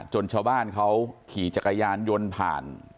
ชาวบ้านเขาขี่จักรยานยนต์ผ่าน